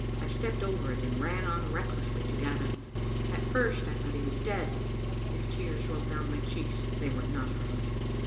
I stepped over it and ran on recklessly to Gavin. At first I thought he was dead. If tears rolled down my cheeks, they were not for him.